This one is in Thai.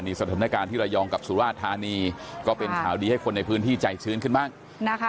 นี่สถานการณ์ที่เรายองกับสุราธารณีก็เป็นข่าวดีให้คนในพื้นที่ใจชื้นขึ้นบ้าง